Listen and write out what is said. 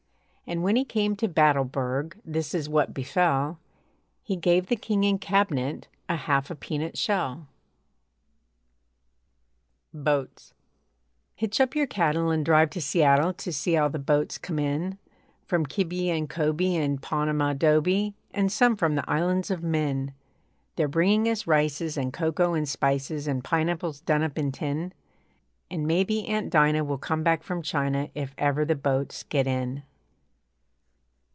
And when he came to Battleburg This is what befell: He gave the king and cabinet A half a peanut shell. BOATS Hitch up your cattle And drive to Seattle To see all the boats come in, From Kibi and Kobi And Panama Dobi And some from the Islands of Myn. They're bringing us rices And cocoa and spices And pineapples done up in tin, And maybe Aunt Dinah Will come back from China If ever the boats get in.